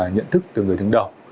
nhận thức từ người đứng đầu